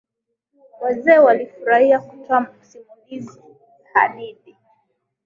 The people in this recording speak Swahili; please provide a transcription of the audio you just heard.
Wazee walifurahia kutoa simulizi za hadithi.